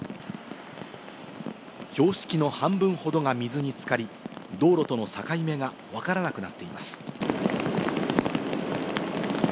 標識の半分ほどが水につかり、道路との境目がわからなくなっています。